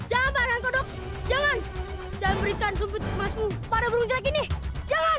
jangan jangan jangan jangan berikan sumpit emasmu pada burung jelek ini jangan